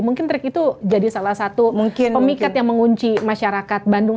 mungkin trik itu jadi salah satu pemikat yang mengunci masyarakat bandung